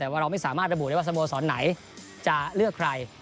แต่ว่าเราไม่สามารถระบุได้ว่าสโมสรไหนจะเลือกใคร